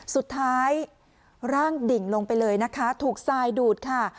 กระทั่งร่างดิ่งลงไปเลยนะคะถูกทรายดูดค่ะ